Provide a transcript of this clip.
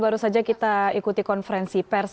baru saja kita ikuti konferensi pers